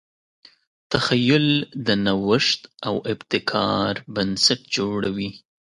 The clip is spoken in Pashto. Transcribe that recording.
تخیل د نوښت او ابتکار بنسټ جوړوي.